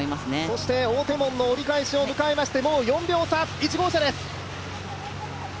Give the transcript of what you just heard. そして大手門の折り返しを迎えまして４秒差、１号車です。